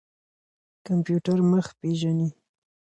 کمپيوټر مخ پېژني.